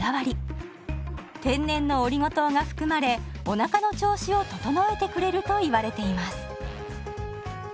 天然のオリゴ糖が含まれおなかの調子を整えてくれるといわれています。